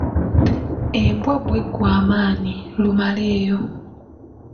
Embwa bwe ggwa amaanyi, Lumaleeyo.